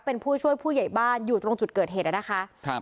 เป็นผู้ช่วยผู้ใหญ่บ้านอยู่ตรงจุดเกิดเหตุนะคะครับ